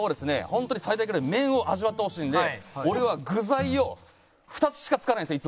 本当に最大限麺を味わってほしいんで俺は具材を２つしか使わないんですよ